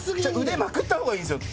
腕まくった方がいいですよ